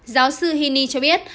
giáo sư hiney cho biết